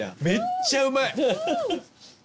めっちゃうまい！